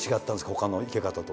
ほかの生け方と。